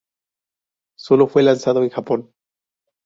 Sólo fue lanzado en Japón.